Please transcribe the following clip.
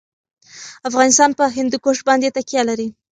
افغانستان په هندوکش باندې تکیه لري.